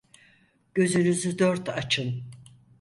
Gözünüzü dört açın.